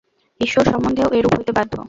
ঈশ্বর সম্বন্ধেও এইরূপ হইতে বাধ্য।